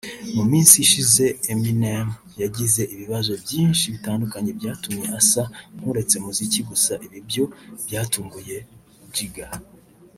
mu minsi ishize Eminem yagize ibibazo byinshi bitandukanye byatumye asa nkuretse umuziki gusa ibi byo byatunguye Jigga